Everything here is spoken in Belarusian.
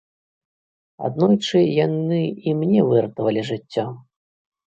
Аднойчы яны і мне выратавалі жыццё.